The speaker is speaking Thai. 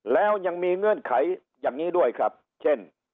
แล้วยังมีเงื่อนไขอย่างนี้ด้วยครับเช่น